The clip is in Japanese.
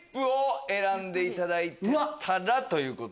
『ＺＩＰ！』を選んでいただいてたらという。